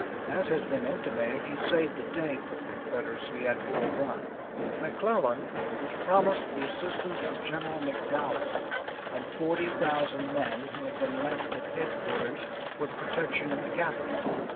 As has been intimated, he saved the day for the Confederacy at Bull Run. McClellan was promised the assistance of General McDowell and forty thousand men who had been left at headquarters for the protection of the capital.